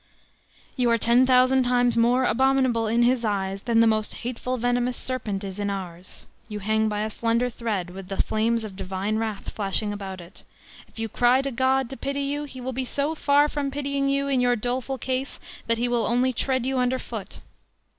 ~.~.~. You are ten thousand times more abominable in his eyes than the most hateful venomous serpent is in ours.~.~.~. You hang by a slender thread, with the flames of divine wrath flashing about it.~.~.~. If you cry to God to pity you, he will be so far from pitying you in your doleful case that he will only tread you under foot.